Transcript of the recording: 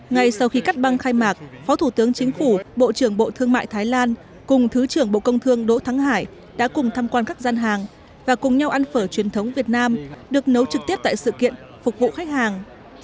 ngay sau khi cắt băng khai mạc phó thủ tướng chính phủ bộ trưởng bộ thương mại thái lan cùng thứ trưởng bộ công thương đỗ thắng hải đã cùng tham quan các gian hàng và cùng nhau ăn phở truyền thống việt nam được nấu trực tiếp tại sự kiện phục vụ khách hàng